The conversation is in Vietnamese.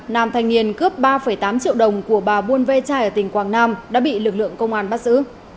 nàm thanh niên cướp ba tám triệu đồng của bà buôn vê trai ở tỉnh quảng nam đã bị lực lượng công an bắt giữ